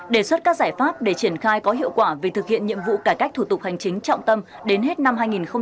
đề xuất các giải pháp để triển khai có hiệu quả về thực hiện nhiệm vụ cải cách thủ tục hành chính trọng tâm đến hết năm hai nghìn hai mươi